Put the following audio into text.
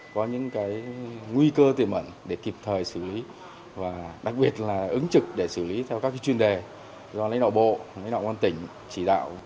có những nguy cơ tiềm ẩn để kịp thời xử lý và đặc biệt là ứng trực để xử lý theo các chuyên đề do lãnh đạo bộ lãnh đạo quan tỉnh chỉ đạo